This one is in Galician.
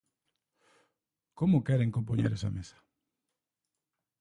¿Como queren compoñer esa mesa?